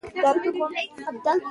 چي په سترګو ورته ګورم په پوهېږم